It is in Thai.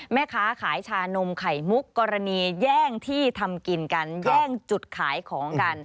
แม่ค้าขายชานมไข่มุกกรณีแย่งที่ทำกินกันแย่งจุดขายของกัน